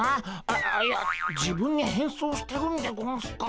あいや自分に変装してるんでゴンスか？